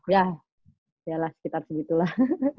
ya yalah sekitar segitulah